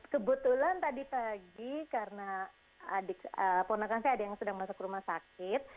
kebetulan tadi pagi karena adik pornografi ada yang sedang masuk ke rumah sakit